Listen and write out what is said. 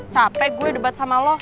capek gue debat sama lo